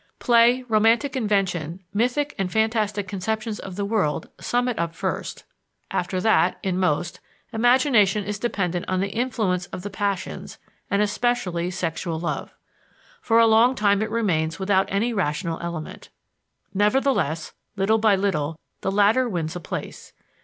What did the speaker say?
Play, romantic invention, mythic and fantastic conceptions of the world sum it up first; after that, in most, imagination is dependent on the influence of the passions, and especially sexual love. For a long time it remains without any rational element. Nevertheless, little by little, the latter wins a place.